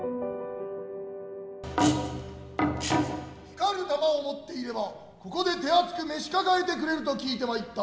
光る玉を持っていればここで手厚く召し抱えてくれると聞いて参った。